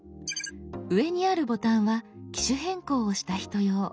上にあるボタンは機種変更をした人用。